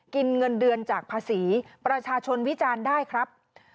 เงินเดือนจากภาษีประชาชนวิจารณ์ได้ครับ